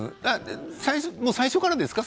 最初からですか？